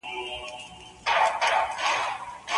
د اداري فساد مخنیوی څنګه اړین دی؟